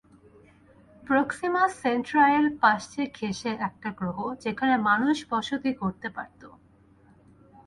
Proxima সেন্টরাইয়ের পাশ ঘেঁষে একটা গ্রহ, যেখানে মানুষ বসতি গড়তে পারত।